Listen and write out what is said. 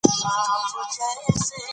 ای ایل ایچ د نړیوالو ادبي بحثونو منبع ده.